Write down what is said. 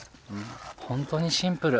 本当にシンプル。